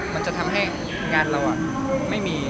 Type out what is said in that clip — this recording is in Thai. มันจะทำให้งานเราไม่มี